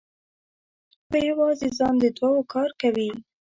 په یوازې ځان د دوو کار کوي.